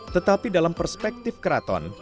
tetapi dalam perspektif keraton